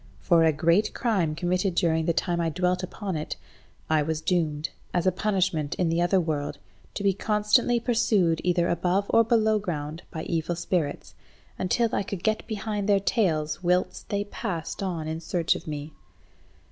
For a great crime committed during the time I dwelt upon it, I was doomed, as a punishment in the other world, to be constantly pursued either above or below ground by evil spirits, until I could get behind their tails whilst they passed on in search of me.